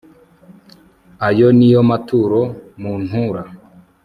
ayo ni yo maturo muntura